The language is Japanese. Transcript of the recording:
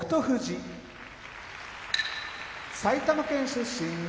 富士埼玉県出身